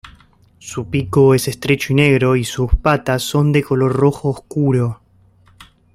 Su pico es estrecho y negro y sus patas son de color rojo oscuro.